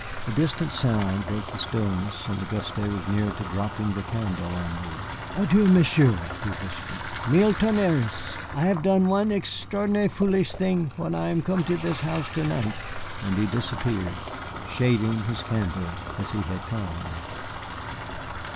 A distant sound broke the stillness, and Auguste was near to dropping the candle on me. "Adieu, Monsieur," he whispered; "milles tonneres, I have done one extraordinaire foolish thing when I am come to this house to night." And he disappeared, shading his candle, as he had come.